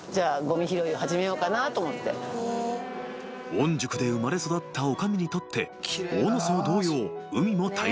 ［御宿で生まれ育った女将にとって大野荘同様海も大切な場所］